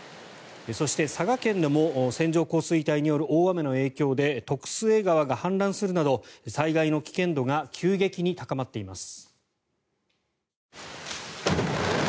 そして、佐賀県でも線状降水帯による大雨の影響で徳須恵川が氾濫するなど災害の危険度が急激に高まっています。